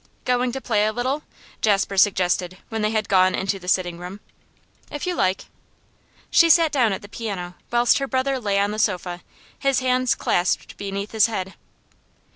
'Going to play a little?' Jasper suggested when they had gone into the sitting room. 'If you like.' She sat down at the piano, whilst her brother lay on the sofa, his hands clasped beneath his head.